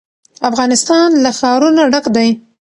افغانستان له ښارونه ډک دی.